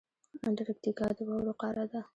انټارکټیکا د واورو قاره ده.